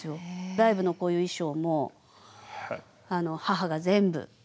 ライブのこういう衣装も母が全部。